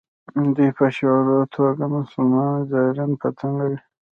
دوی په شعوري توګه مسلمان زایرین په تنګوي.